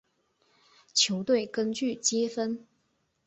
球队根据积分。